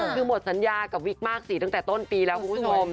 คือหมดสัญญากับวิกมากสีตั้งแต่ต้นปีแล้วคุณผู้ชม